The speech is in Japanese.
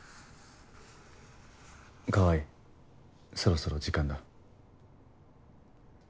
川合そろそろ時間だ。